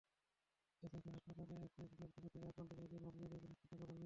এএসএফের হাসপাতালে অ্যাসিডদগ্ধ ব্যক্তিদের আক্রান্ত জায়গার মাপ অনুযায়ী পোশাকটি তাঁরা বানিয়ে দেন।